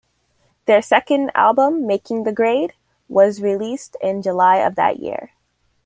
Their second album, "Making the Grade", was released in July of that year.